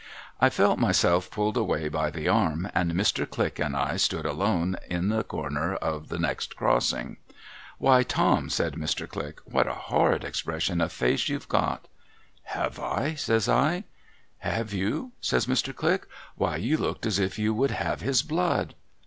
I felt myself pulled away by the arm, and Mr. Click and I stood alone at the corner of the next crossing. ' Why, Tom,' said Mr. Click, ' what a horrid expression of face you've got !'* Have I ?' says I. ' Have you ?' says Mr. Click. ' Why, you looked as if you would have his blood.'